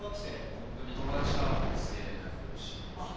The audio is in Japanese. ホントに友達からもすげえ連絡くるし。